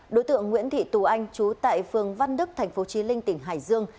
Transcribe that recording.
đối tượng nguyễn thị tù anh trú tại phường văn đức tp chí linh tỉnh hải dương